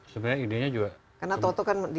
sebenarnya idenya juga karena toto kan